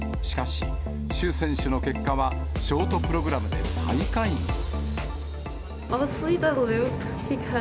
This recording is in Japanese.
しかし、朱選手の結果はショートプログラムで最下位に。